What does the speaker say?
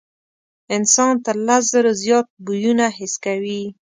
انسان تر لس زرو زیات بویونه حس کوي.